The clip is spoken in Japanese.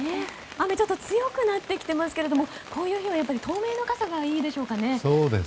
雨がちょっと強くなってきてますけどこういう日はやっぱり透明の傘がいいでしょうかね。